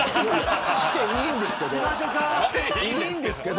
していいんですけど。